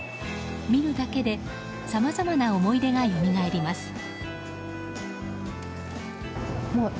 見るだけでさまざまな思い出がよみがえります。